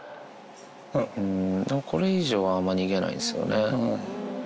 これ以上はあんま逃げないんですよね。